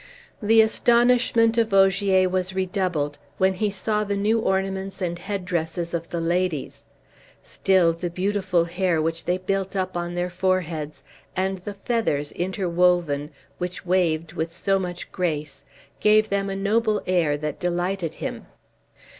The astonishment of Ogier was redoubled when he saw the new ornaments and head dresses of the ladies; still, the beautiful hair which they built up on their foreheads, and the feathers interwoven, which waved with so much grace, gave them a noble air that delighted him.